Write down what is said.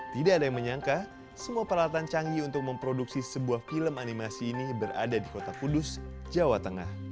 tidak ada yang menyangka semua peralatan canggih untuk memproduksi sebuah film animasi ini berada di kota kudus jawa tengah